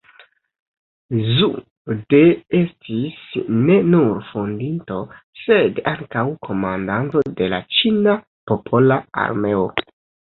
Zhu De estis ne nur fondinto, sed ankaŭ komandanto de la ĉina popola armeo.